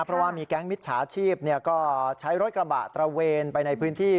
เพราะว่ามีแก๊งมิจฉาชีพก็ใช้รถกระบะตระเวนไปในพื้นที่